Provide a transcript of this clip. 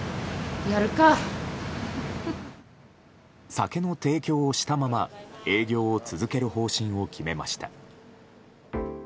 酒の提供をしたまま営業を続ける方針を決めました。